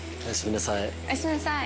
おやすみなさい。